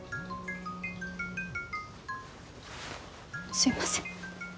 すいません。